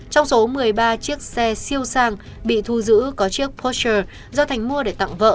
trong số một mươi ba chiếc xe siêu sang bị thu giữ có chiếc poster do thành mua để tặng vợ